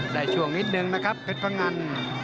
ช่วงนิดนึงนะครับเพชรพงัน